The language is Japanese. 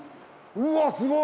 うわっすごい！